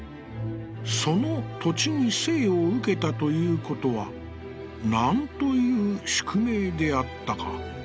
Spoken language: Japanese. その土地に生をうけた、ということは何という宿命であったか。